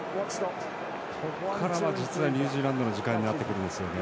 ここから実はニュージーランドの時間になってくるんですよね。